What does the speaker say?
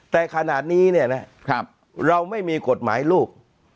แต่ขนาดนี้เนี่ยนะเราไม่มีกฎหมายลูก